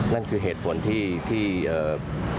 นั่นคือเหตุผลที่